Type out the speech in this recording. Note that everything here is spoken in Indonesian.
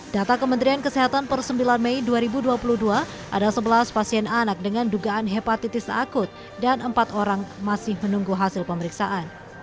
data kementerian kesehatan per sembilan mei dua ribu dua puluh dua ada sebelas pasien anak dengan dugaan hepatitis akut dan empat orang masih menunggu hasil pemeriksaan